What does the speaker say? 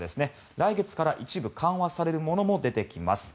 来月から一部緩和されるものも出てきます。